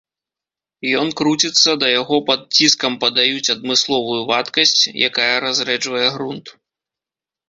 Ён круціцца, да яго пад ціскам падаюць адмысловую вадкасць, якая разрэджвае грунт.